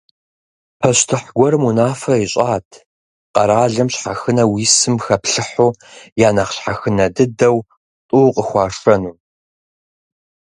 Пащтыхь гуэрым унафэ ищӏат: къэралым щхьэхынэу исым хэплъыхьу я нэхъ щхьэхынэ дыдэу тӏу къыхуашэну.